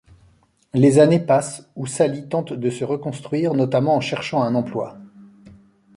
Les années passent où Sally tente de se reconstruire, notamment en cherchant un emploi.